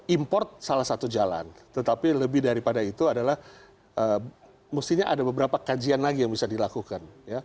import salah satu jalan tetapi lebih daripada itu adalah mestinya ada beberapa kajian lagi yang bisa dilakukan